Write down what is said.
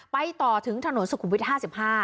ไปต่อถึงถนนสุขุมวิท๕๕